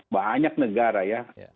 banyak negara ya